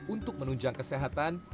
untuk menunjang kesehatan